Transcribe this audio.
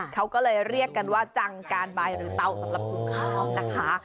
เขาก็เลยเรียกกันว่าจังการใบหรือเตาสำหรับหุงข้าวนะคะ